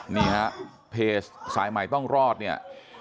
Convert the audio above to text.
นี่ฮะเพจสายใหม่ต้องรอดเนี่ย